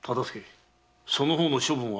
その方の処分は後だ。